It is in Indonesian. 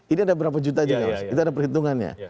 ini ada berapa juta juga itu ada perhitungannya